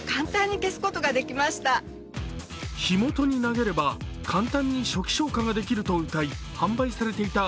火元に投げれば簡単に初期消火できるとうたい、販売されていた